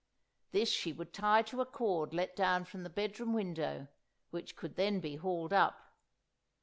This she would tie to a cord let down from the bedroom window, which could then be hauled up.